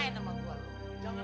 jangan main main sama gua lo